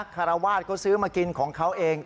คารวาสก็ซื้อมากินของเขาเอง